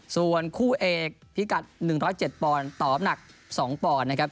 ส่วนคู่เอกพิกัด๑๐๗ปอนด์ตอบหนัก๒ปอนด์นะครับ